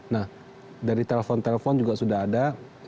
nah dari telepon telepon juga sudah ada